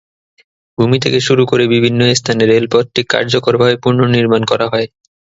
ভূমি থেকে শুরু করে বিভিন্ন স্থানে রেলপথটি কার্যকরভাবে পুনর্নির্মাণ করা হয়।